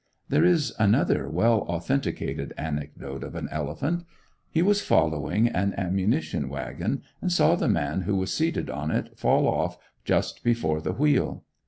There is another well authenticated anecdote of an elephant; he was following an ammunition wagon, and saw the man who was seated on it fall off just before the wheel.